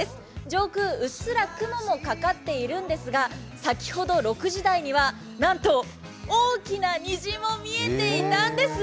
上空うっすら雲もかかっているんですが、先ほど６時台にはなんと大きな虹も見えていたんです！